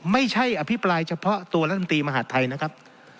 ไม่ใช่อภิปรายเฉพาะตัวรัฐมนตรีมหาดไทยนะครับ